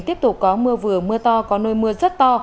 tiếp tục có mưa vừa mưa to có nơi mưa rất to